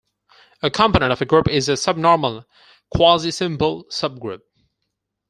A component of a group is a subnormal quasisimple subgroup.